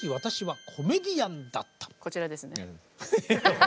こちらですね。